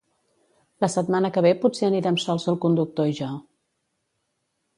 La setmana que ve potser anirem sols el conductor i jo